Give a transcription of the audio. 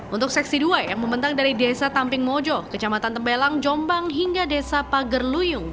untuk seksi dua yang membentang dari desa tamping mojo kecamatan tembelang jombang hingga desa pagerluyung